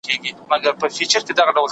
شین زیارت بې رنګه نه دی.